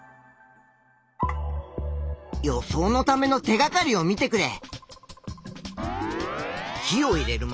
予想のための手がかりを見てくれ。